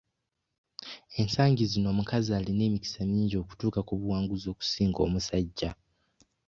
Ensangi zino omukazi ayina emikisa mingi okutuuka ku buwanguzi okusinga omusajja.